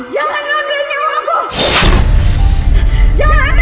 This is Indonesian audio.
jangan nge run dari nyawa aku